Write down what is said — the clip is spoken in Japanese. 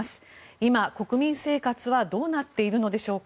今、国民生活はどうなっているのでしょうか。